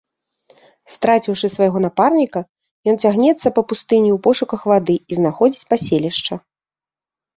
Страціўшы свайго напарніка, ён цягнецца па пустыні ў пошуках вады і знаходзіць паселішча.